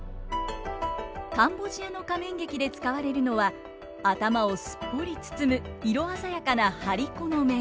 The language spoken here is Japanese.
カンボジアの仮面劇で使われるのは頭をすっぽり包む色鮮やかな張り子の面。